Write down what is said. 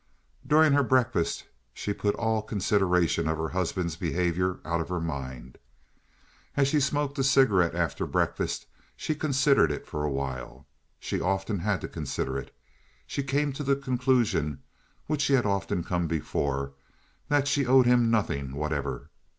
During her breakfast she put all consideration of her husband's behaviour out of her mind. As she smoked a cigarette after breakfast she considered it for a little while. She often had to consider it. She came to the conclusion to which she had often come before: that she owed him nothing whatever.